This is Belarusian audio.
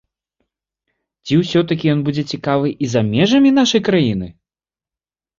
Ці ўсё-такі ён будзе цікавы і за межамі нашай краіны?